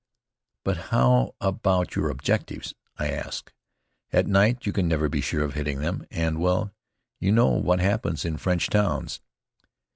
"But how about your objectives?" I asked. "At night you can never be sure of hitting them, and, well, you know what happens in French towns."